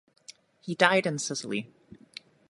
He died in Sicily.